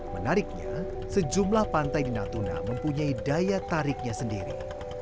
menariknya sejumlah pantai di natuna mempunyai daya tariknya sendiri